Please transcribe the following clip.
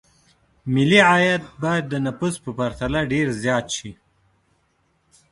ملي عاید باید د نفوسو په پرتله ډېر زیات شي.